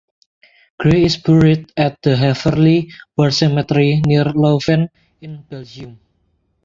Gray is buried at the Heverlee War Cemetery near Leuven in Belgium.